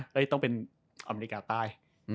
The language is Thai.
แต่ต้องเป็นอิมเมริกาใต้